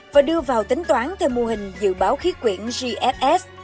và đưa vào tính toán theo mô hình dự báo khí quyển gfs